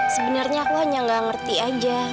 sebenernya aku hanya nggak ngerti aja